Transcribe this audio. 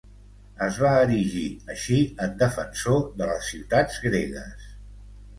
Es va erigir així en defensor de les ciutats gregues.